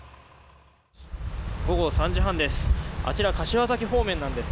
午後３時半です。